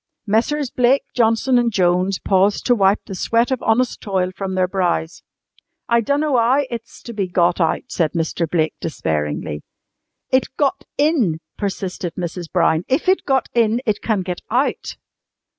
Messrs. Blake, Johnson and Jones paused to wipe the sweat of honest toil from their brows. "I dunno 'ow it's to be got out," said Mr. Blake despairingly. "It got in!" persisted Mrs. Brown. "If it got in it can get out."